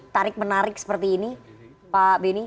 tarik menarik seperti ini pak beni